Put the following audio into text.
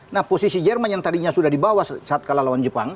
nah posisi jerman yang tadinya sudah dibawa saat kalah lawan jepang